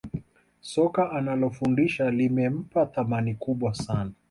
Soka analofundisha limempa thamani kubwa sana